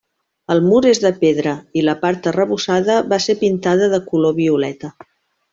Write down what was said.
El mur és de pedra i la part arrebossada va ser pintada de color violeta.